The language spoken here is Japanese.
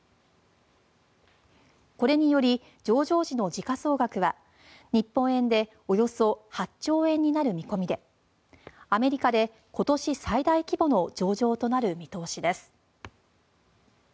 これにより、上場時の時価総額は日本円でおよそ８兆円になる見込みでアメリカで今年最大規模の上場となる見通しです。